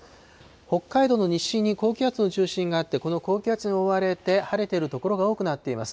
北海道の西に高気圧の中心があって、この高気圧に覆われて、晴れている所が多くなっています。